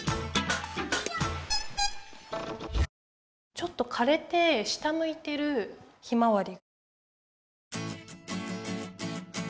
ちょっとかれて下むいてるひまわり。